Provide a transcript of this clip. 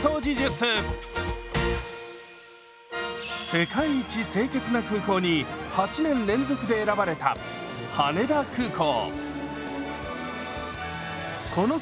「世界一清潔な空港」に８年連続で選ばれた羽田空港。